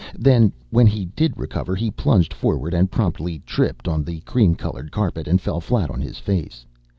Then, when he did recover, he plunged forward and promptly tripped on the cream colored carpet and fell flat on his face.